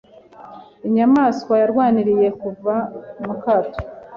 Inyamaswa yarwaniye kuva mu kato.